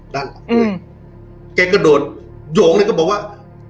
ด้านหลังเลยเก๋ก็โดนโหงเลยก็บอกว่า